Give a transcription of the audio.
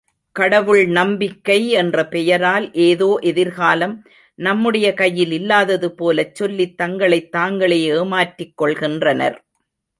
கடவுள் நம்பிக்கை என்ற பெயரால் ஏதோ எதிர்காலம் நம்முடைய கையில் இல்லாதது போலச்சொல்லித் தங்களைத் தாங்களே ஏமாற்றிக் கொள்கின்றனர்.